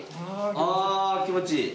ああ気持ちいい。